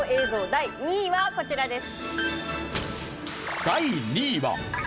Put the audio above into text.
第２位はこちらです。